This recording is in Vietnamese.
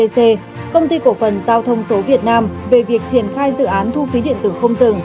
c công ty cổ phần giao thông số việt nam về việc triển khai dự án thu phí điện tử không dừng